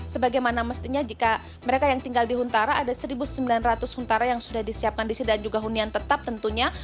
sebagaimana mestinya jika mereka yang tinggal di huntara ada satu sembilan ratus huntara yang sudah disiapkan di sini dan juga hunian tetap tentunya